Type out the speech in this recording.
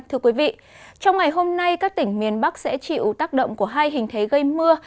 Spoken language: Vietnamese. trong ngày hôm nay các tỉnh miền bắc sẽ chịu tác động của hai hình thế gây mưa